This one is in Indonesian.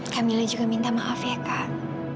kamila juga minta maaf ya kak